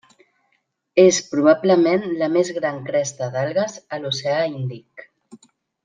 És probablement la més gran cresta d'algues a l'Oceà Índic.